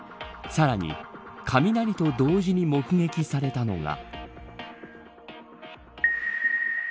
さらに雷と同時に目撃されたのが。